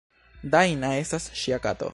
Dajna estas ŝia kato.